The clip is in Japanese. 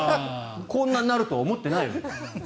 こんなになるとは思っていない。